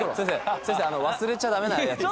先生忘れちゃダメなやつです。